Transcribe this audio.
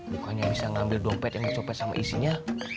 bukannya bisa ngambil dompet yang dicopet sama isinya